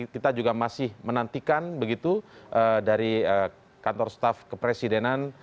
kita juga masih menantikan begitu dari kantor staf kepresidenan